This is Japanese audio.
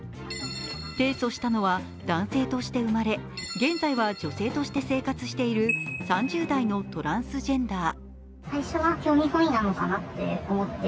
提訴したのは男性として生まれ、現在は女性として生活している３０代のトランスジェンダー。